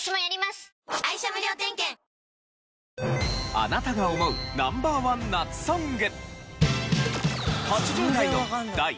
あなたが思うＮｏ．１夏ソング。